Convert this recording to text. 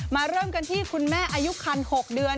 เริ่มกันที่คุณแม่อายุคัน๖เดือน